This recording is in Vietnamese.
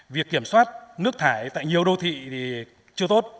việc kiểm soát nước thải tại nhiều đô thị thì chưa tốt